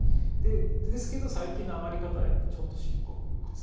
ですけど最近の余り方はやっぱり、ちょっと深刻です。